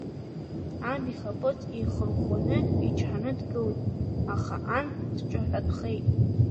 Аб ихаԥыц еихырӷәӷәаны, ичҳаны дгылан, аха ан дҿаҳәатәхеит.